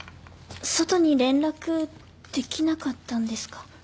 外に連絡できなかったんですか？